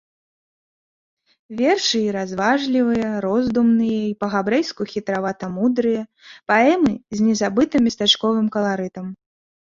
Вершы й разважлівыя, роздумныя, й па-габрэйску хітравата-мудрыя, паэмы з незабытым местачковым каларытам.